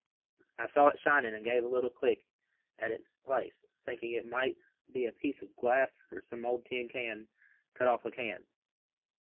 "I saw it shinin' and gave a little kick at the place, thinkin' it might be a piece of glass, or some old tin cut off a can.